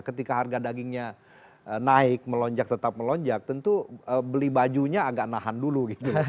ketika harga dagingnya naik melonjak tetap melonjak tentu beli bajunya agak nahan dulu